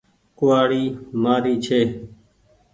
ڪوُوآڙي مآري ڇي ۔